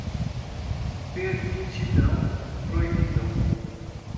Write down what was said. permitidão, proibidão